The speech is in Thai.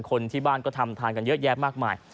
คนที่บ้านก็ทำทานกันเยอะแยะมากมาย